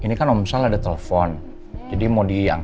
eh saya dedimang